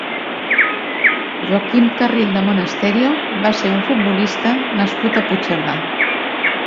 Joaquim Carril de Monasterio va ser un futbolista nascut a Puigcerdà.